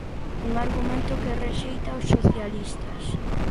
Un argumento que rexeitan os socialistas.